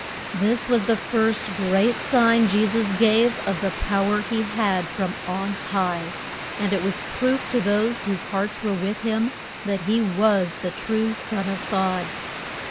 This was the first great sign Je sus gave of the pow er he had from on high. And it was proof to those whose hearts were with him that he was the true Son of God.